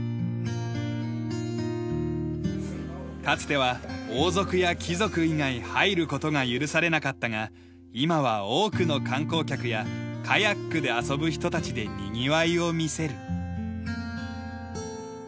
かつては王族や貴族以外入る事が許されなかったが今は多くの観光客やカヤックで遊ぶ人たちでにぎわいを見せる。